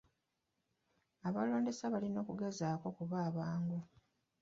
Abalondesa balina okugezaako okuba abangu.